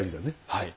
はい。